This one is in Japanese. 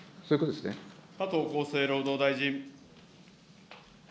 加藤厚生労働大臣。